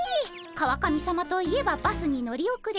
川上さまといえばバスに乗り遅れる。